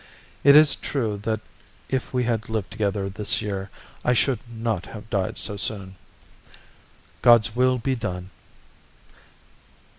It is true that if we had lived together this year, I should not have died so soon. God's will be done!